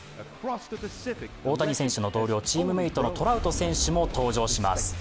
大谷選手の同僚、チームメートのトラウト選手も登場します。